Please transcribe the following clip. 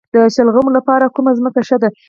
د شلغمو لپاره کومه ځمکه ښه ده؟